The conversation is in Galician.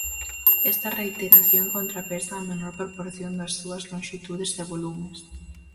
Esta reiteración contrapesa a menor proporción das súas lonxitudes e volumes.